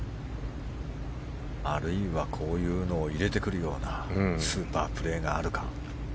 あるいはこういうのを入れてくるようなスーパープレーがあるか。